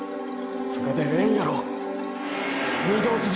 それでええんやろ⁉御堂筋！！